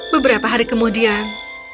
beberapa hari kemudian